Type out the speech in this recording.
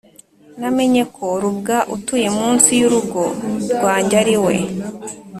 namenye ko rubwa utuye munsi y'urugo rwanjye ariwe